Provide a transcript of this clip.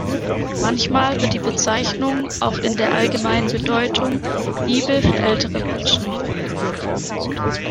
Manchmal wird die Bezeichnung auch in der allgemeinen Bedeutung „Liebe für ältere Menschen“ verwendet.